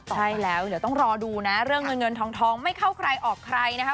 ใช่แล้วเดี๋ยวต้องรอดูนะเรื่องเงินเงินทองไม่เข้าใครออกใครนะคะ